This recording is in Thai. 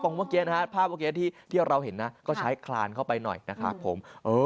ตรงนี้ภาพวัคเกียร์ที่เราเห็นนะก็ใช้คลานเข้าไปหน่อยนะครับผม